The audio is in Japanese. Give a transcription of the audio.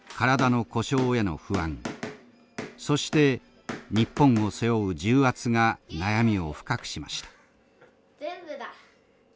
そして日本を背負う重圧が悩みを深くしました。